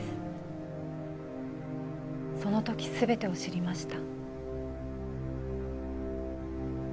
その時全てを知りました。